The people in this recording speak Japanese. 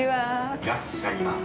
「いらっしゃいませ。